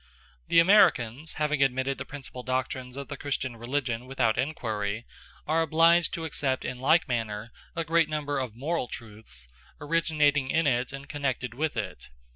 The Americans, having admitted the principal doctrines of the Christian religion without inquiry, are obliged to accept in like manner a great number of moral truths originating in it and connected with it.